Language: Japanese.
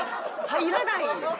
入らない？